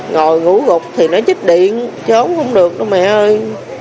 ngồi ngủ gục thì nó chích điện trốn không được đâu mẹ ơi